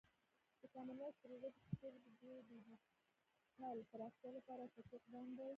د کامن وایس پروژه د پښتو ژبې د ډیجیټل پراختیا لپاره اساسي اقدام دی.